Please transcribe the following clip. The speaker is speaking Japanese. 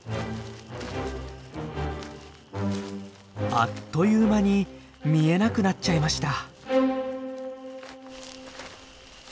あっという間に見えなくなっちゃいました。